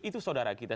itu saudara kita